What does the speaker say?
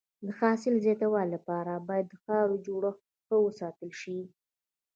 د حاصل د زیاتوالي لپاره باید د خاورې جوړښت ښه وساتل شي.